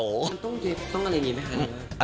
มันต้องเย็บต้องอะไรอย่างนี้ไหมคะ